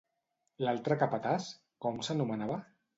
L'altre capatàs, com s'anomenava?